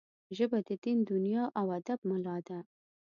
ژبه د دین، دنیا او ادب ملا ده